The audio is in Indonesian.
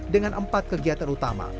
dengan empat kegiatan utama